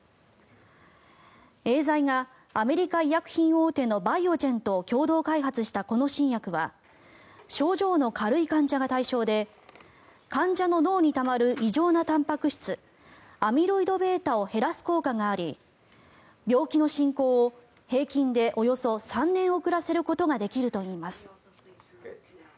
エーザイがアメリカ医薬品大手のバイオジェンと共同開発したこの新薬は症状の軽い患者が対象で患者の脳にたまる異常なたんぱく質アミロイドβを減らす効果があり病気の進行を平均でおよそ３年遅らせることができるといいます。